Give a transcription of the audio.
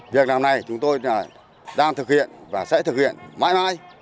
việc làm này chúng tôi đang thực hiện và sẽ thực hiện mãi mãi